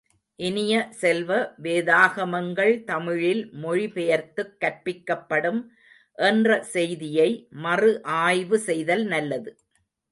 இனிய செல்வ, வேதாகமங்கள் தமிழில் மொழி பெயர்த்துக் கற்பிக்கப்படும் என்ற செய்தியை மறு ஆய்வு செய்தல் நல்லது.